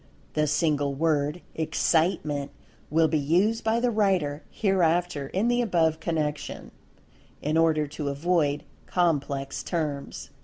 The single word, "Excitement," will be used by the writer, hereafter, in the above connection, in order to avoid complex terms.